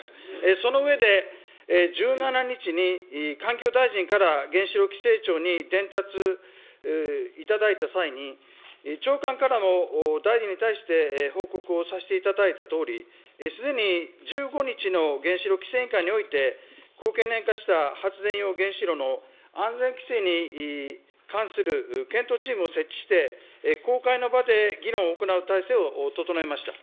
その上で、１７日に環境大臣から原子力規制庁に伝達いただいた際に、長官からも大臣に対して報告をさせていただいたとおり、すでに１５日の原子力規制委員会において、高経年化した発電用原子炉の安全規制に関する検討チームを設置して、公開の場で議論を行う体制を整えました。